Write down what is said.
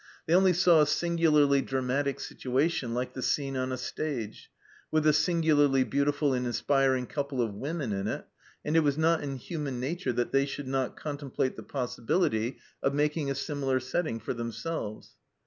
They only saw a singularly dramatic situation like the scene on a stage, with a singularly beautiful and inspiring couple of women in it, and it was not in human nature that they should not contemplate the possibility of making a similar setting for them selves.